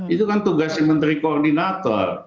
itu kan tugasnya menteri koordinator